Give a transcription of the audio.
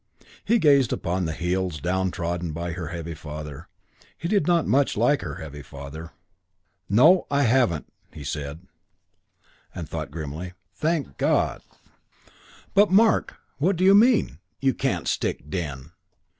He gazed upon the heels downtrodden by her heavy father. He did not much like her heavy father. "No, I haven't," he said, and thought grimly, "Thank God!" "But, Mark, what do you mean, you can't stick 'den'?"